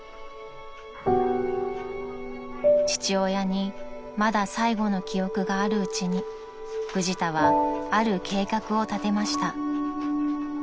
［父親にまだ最後の記憶があるうちにフジタはある計画を立てました］